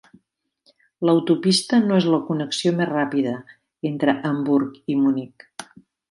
L'autopista no és la connexió més ràpida entre Hamburg i Munic.